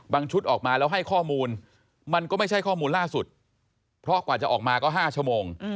ชุดออกมาแล้วให้ข้อมูลมันก็ไม่ใช่ข้อมูลล่าสุดเพราะกว่าจะออกมาก็๕ชั่วโมง